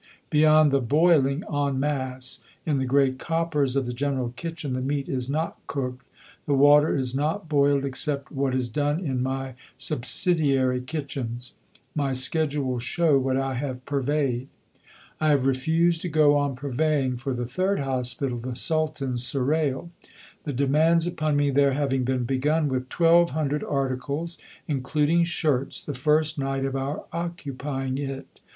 Beyond the boiling en masse in the great coppers of the general kitchen the meat is not cooked, the water is not boiled except what is done in my subsidiary kitchens. My schedule will show what I have purveyed. I have refused to go on purveying for the third Hospital, the Sultan's Serail the demands upon me there having been begun with twelve hundred articles, including shirts, the first night of our occupying it.